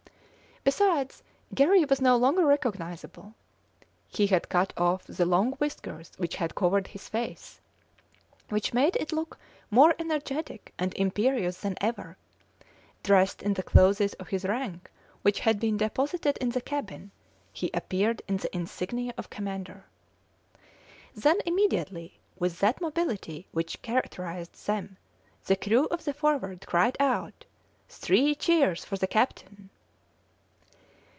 Besides, Garry was no longer recognisable; he had cut off the long whiskers which had covered his face, which made it look more energetic and imperious than ever; dressed in the clothes of his rank which had been deposited in the cabin, he appeared in the insignia of commander. Then immediately, with that mobility which characterised them, the crew of the Forward cried out "Three cheers for the captain!"